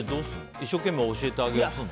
一生懸命教えてあげるの？